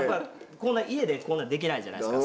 家でこんなんできないじゃないですか。